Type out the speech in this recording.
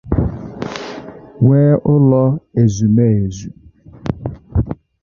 nwee ụlọ ezumeezu